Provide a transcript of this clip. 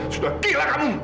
sudah gila kamu